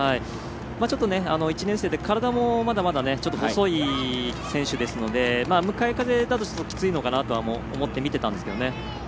ちょっと、１年生で体もまだまだ細い選手ですので、向かい風だときついのかなと思って見ていたんですけどね。